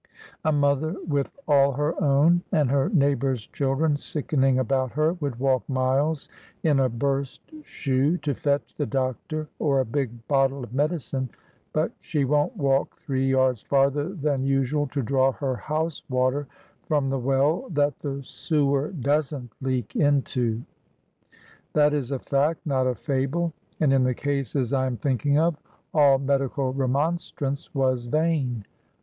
A mother with all her own and her neighbors' children sickening about her would walk miles in a burst shoe to fetch the doctor or a big bottle of medicine, but she won't walk three yards farther than usual to draw her house water from the well that the sewer doesn't leak into. That is a fact, not a fable; and, in the cases I am thinking of, all medical remonstrance was vain.